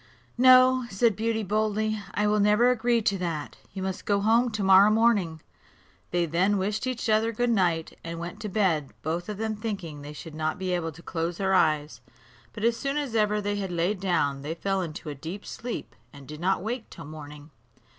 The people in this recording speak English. "No," said Beauty boldly, "I will never agree to that; you must go home to morrow morning." They then wished each other good night, and went to bed, both of them thinking they should not be able to close their eyes; but as soon as ever they had laid down, they fell into a deep sleep, and did not wake till morning.